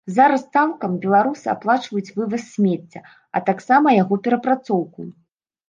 Зараз цалкам беларусы аплачваюць вываз смецця, а таксама яго перапрацоўку.